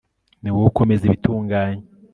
ni wowe ukomeza ibitunganye